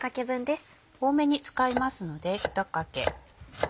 多めに使いますので１かけ。